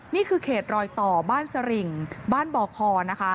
นี่คือเขตรอยต่อบ้านสริงบ้านบ่อคอนะคะ